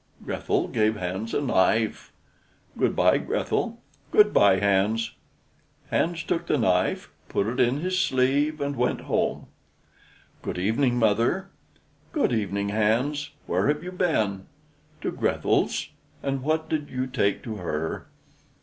Grethel gave Hans a knife. "Good by, Grethel." "Good by, Hans." Hans took the knife, put it in his sleeve, and went home. "Good evening, mother." "Good evening, Hans. Where have you been?" "To Grethel's." "And what did you take to her?"